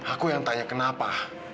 aku yang tanya kenapa